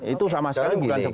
itu sama sekali bukan seperti itu